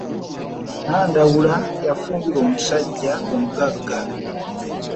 Nandawula yafumbirwa omusajja omugaga.